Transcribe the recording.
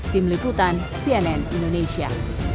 tim liputan cnn indonesia